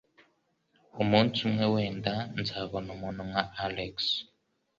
Umunsi umwe wenda nzabona umuntu nka Alex.